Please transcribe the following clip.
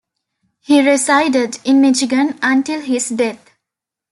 He resided in Michigan until his death.